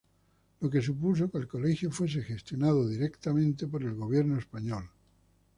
Lo que supuso que el Colegio fuese gestionado directamente por el Gobierno español.